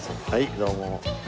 どうも。